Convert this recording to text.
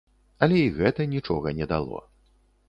Але і гэта нічога не дало.